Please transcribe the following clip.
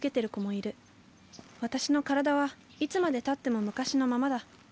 私の体はいつまでたっても昔のままだ。